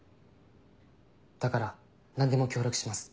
だから何でも協力します。